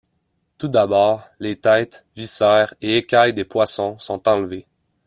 Tout d'abord, les têtes, viscères et écailles des poissons sont enlevés.